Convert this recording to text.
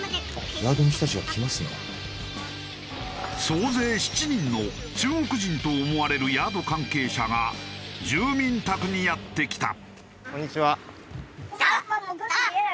総勢７人の中国人と思われるヤード関係者が住民宅にやってきた。